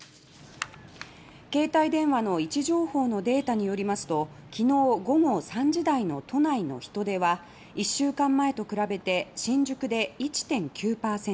携帯電話の位置情報のデータによりますときのう午後３時台の都内の人出は１週間前と比べて新宿で１．９％